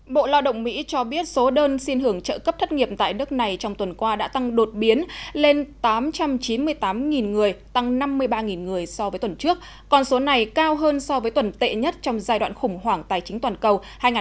bộ lao động mỹ cho biết số đơn xin hưởng trợ cấp thất nghiệp tại nước này trong tuần qua đã tăng đột biến lên tám trăm chín mươi tám người tăng năm mươi ba người so với tuần trước còn số này cao hơn so với tuần tệ nhất trong giai đoạn khủng hoảng tài chính toàn cầu hai nghìn một mươi tám